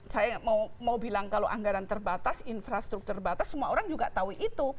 saya mau bilang kalau anggaran terbatas infrastruktur terbatas semua orang juga tahu itu